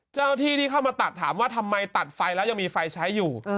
เจ้าหน้าที่ที่เข้ามาตัดถามว่าทำไมตัดไฟแล้วยังมีไฟใช้อยู่